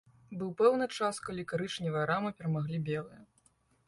Быў пэўны час, калі карычневыя рамы перамаглі белыя.